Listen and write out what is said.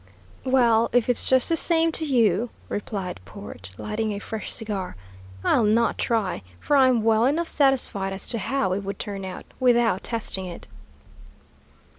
"Well, if it's just the same to you," replied Port, lighting a fresh cigar, "I'll not try, for I'm well enough satisfied as to how it would turn out, without testing it."